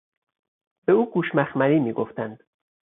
به او گوش مخملی میگفتند